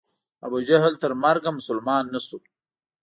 ابوجهل تر مرګه مسلمان نه شو.